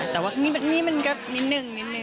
แต่ว่านี่มันก็นิดนึงนิดนึ